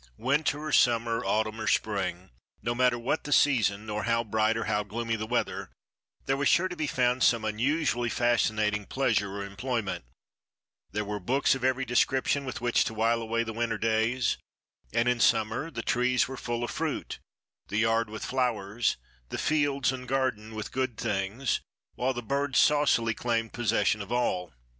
Winter or summer, autumn or spring—no matter what the season nor how bright or how gloomy the weather—there was sure to be found some unusually fascinating pleasure or employment. There were books of every description with which to while away the winter days. And in summer the trees were full of fruit, the yard with flowers, the fields and garden with good things, while the birds saucily claimed possession of all.